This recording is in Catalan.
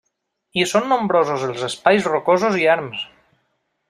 I són nombrosos els espais rocosos i erms.